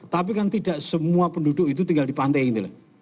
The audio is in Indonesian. tapi kan tidak semua penduduk itu tinggal di pantai ini loh